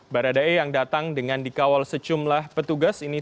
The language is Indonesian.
barada e yang datang dengan dikawal secumlah petugas ini